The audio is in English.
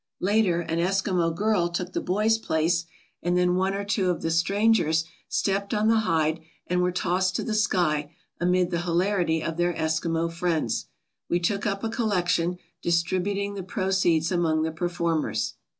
Later an Eskimo girl took the boy's place, and then one or two of the strangers stepped on the hide and were tossed to the sky amid the hilarity of their Eskimo friends. We took up a collection, distributing the proceeds among the performers.